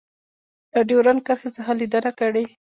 له ډیورنډ کرښې څخه لیدنه کړې